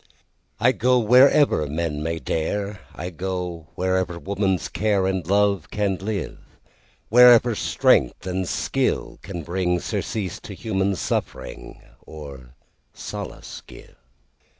I go wherever men may dare,I go wherever woman's careAnd love can live, Wherever strength and skill can bringSurcease to human suffering, Or solace give.